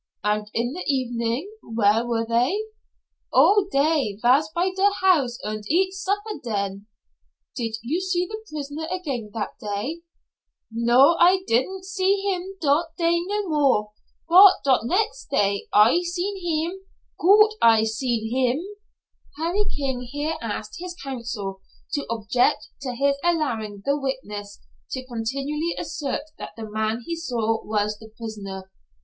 "And in the evening where were they?" "Oh, dey vas by der house und eat supper den." "Did you see the prisoner again that day?" "No, I didn' see heem dot day no more, bot dot next day I seen heem goot I seen heem." Harry King here asked his counsel to object to his allowing the witness to continually assert that the man he saw was the prisoner.